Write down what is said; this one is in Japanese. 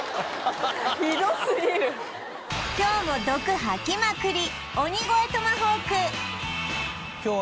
今日も毒吐きまくり